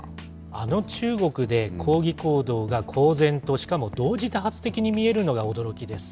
あの中国で抗議行動が公然としかも同時多発的に見えるのが驚きです。